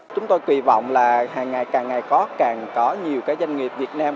chúng tôi kỳ vọng là hàng ngày càng ngày có càng có nhiều cái doanh nghiệp việt nam